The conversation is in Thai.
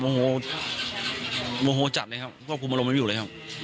โมโฮโมโฮจัดเลยครับเพราะว่าคุณมันล้มไม่อยู่เลยครับ